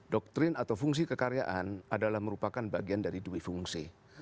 doktrin atau fungsi kekaryaan adalah merupakan bagian dari dui fungsi